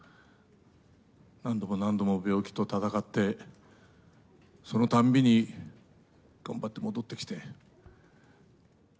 何度も何度も病気と闘って、そのたんびに頑張って戻ってきて。